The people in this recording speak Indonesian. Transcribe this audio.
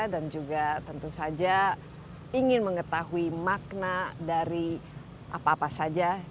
dan juga tentu saja ingin mengetahui makna dari apa apa saja